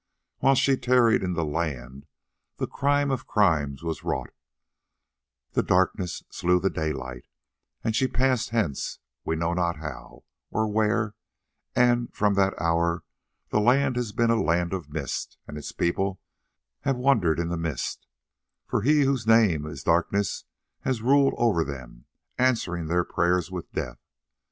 While she tarried in the land the crime of crimes was wrought, the Darkness slew the Daylight, and she passed hence, we know not how, or where; and from that hour the land has been a land of mist, and its people have wandered in the mist, for he whose name is Darkness has ruled over them, answering their prayers with death.